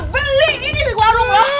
gue bakal beli ini warung lo